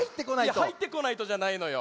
いや「はいってこないと」じゃないのよ。